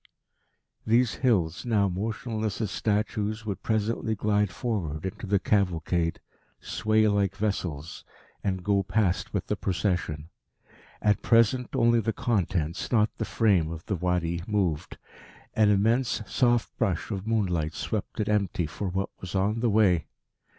These hills, now motionless as statues, would presently glide forward into the cavalcade, sway like vessels, and go past with the procession. At present only the contents, not the frame, of the Wadi moved. An immense soft brush of moonlight swept it empty for what was on the way....